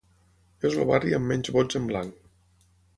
És el barri amb menys vots en blanc.